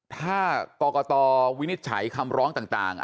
ถ้ากรกตวินิจฉัยคำร้องต่าง